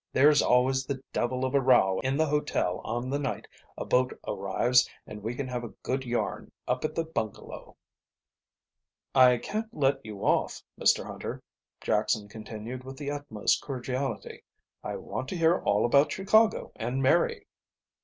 "There's always the devil of a row in the hotel on the night a boat arrives and we can have a good yarn up at the bungalow." "I can't let you off, Mr Hunter," Jackson continued with the utmost cordiality. "I want to hear all about Chicago and Mary."